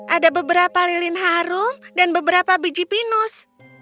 ada beberapa lilin harum dan beberapa biji pinus